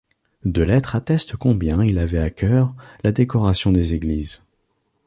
Deux lettres attestent combien il avait à cœur la décoration des églises.